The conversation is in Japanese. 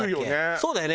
そうだよね。